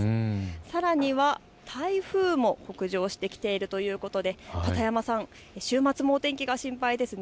さらには台風も北上してきているということで、片山さん、週末も天気が心配ですね。